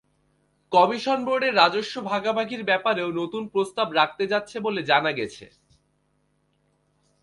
Commission বোর্ডের রাজস্ব ভাগাভাগির ব্যাপারেও নতুন প্রস্তাব রাখতে যাচ্ছে বলে জানা গেছে।